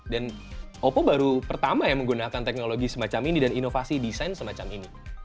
dan oppo baru pertama yang menggunakan teknologi semacam ini dan inovasi desain semacam ini